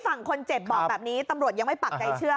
ฝั่งคนเจ็บบอกแบบนี้ตำรวจยังไม่ปักใจเชื่อ